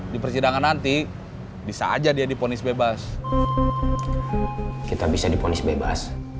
di persidangan nanti bisa aja dia diponis bebas kita bisa diponis bebas